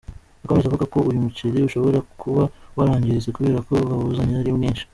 Yakomeje avuga ko uyu muceri ushobora kuba warangiritse kubera ko bawuzanye ari mwinshi.